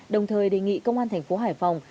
đồng thời đề nghị công an thành phố hải phòng